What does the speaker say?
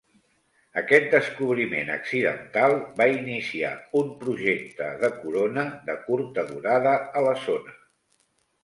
Aquest descobriment accidental va iniciar un "projecte" de corona de curta durada a la zona.